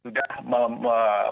sudah pemerintah menyarankan